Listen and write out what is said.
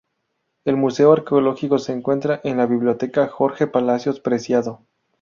El Museo Arqueológico se encuentra en la Biblioteca Jorge Palacios Preciado.